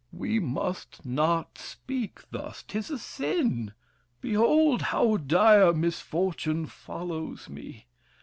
THE KING. We must not speak thus. 'Tis a sin! Behold, how dire misfortune follows me!